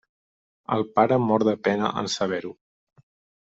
El pare mor de pena en saber-ho.